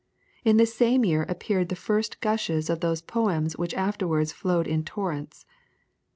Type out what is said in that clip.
In this same year appeared the first gushes of those poems which afterwards flowed in torrents.